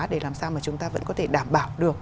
để làm sao mà chúng ta vẫn có thể đảm bảo được